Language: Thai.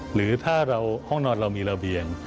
หรือถ้าเราห้องนอนเรามีระเบียง